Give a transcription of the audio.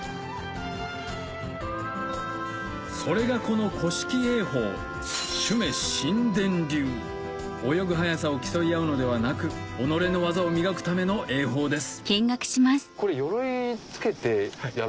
それがこの古式泳法泳ぐ速さを競い合うのではなく己の技を磨くための泳法です